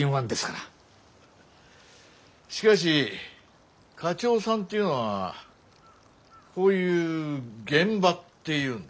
しかし課長さんっていうのはこういう現場っていうんですか？